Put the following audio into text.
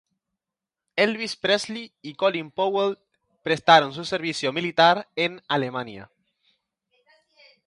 Elvis Presley y Colin Powell prestaron su servicio militar en Alemania.